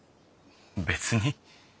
別に。